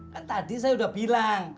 kan tadi saya sudah bilang